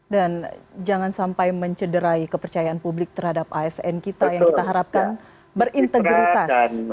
dan jangan sampai mencederai kepercayaan publik terhadap asn kita yang kita harapkan berintegritas